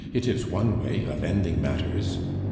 It is one way of ending matters.